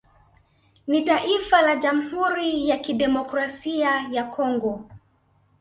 Ni taifa la Jamhuri ya Kidemokrasia ya Congo